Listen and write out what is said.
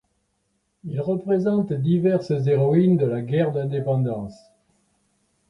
Il représente diverses héroïnes de la guerre d'indépendance.